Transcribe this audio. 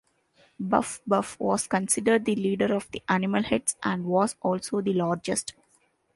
Buff-Buff was considered the leader of the animal heads and was also the largest.